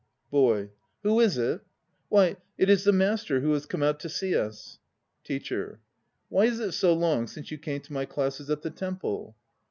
BOY. Who is it? Why, it is the Master who has come out to see us! TEACHER. Why is it so long since you came to my classes at the temple?